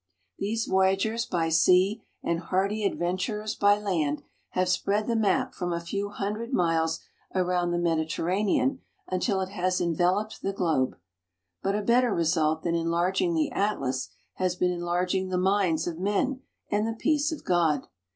These voyagers by sea and hardy adventurers by land have spread the map from a few hundred miles around the Medi terranean until it has enveloped the globe. But a better result than enlarging the atlas has been enlarging the minds of men and the peace of God.